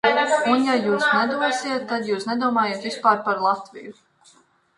Un ja jūs to nedosiet, tad jūs nedomājiet vispār par Latviju.